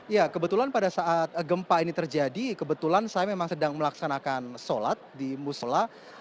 ya kebetulan pada saat gempa ini terjadi kebetulan saya memang sedang melaksanakan sholat di musla